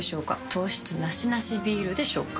糖質ナシナシビールでしょうか？